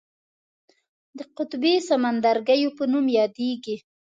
د قطبي سمندرګیو په نوم یادیږي.